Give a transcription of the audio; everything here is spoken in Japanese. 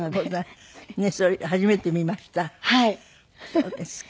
そうですか。